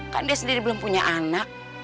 kan dia sendiri belum punya anak